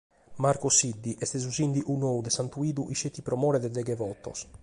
Marco Siddi est su sìndigu nou de Santuidu isceti pro more de deghe votos.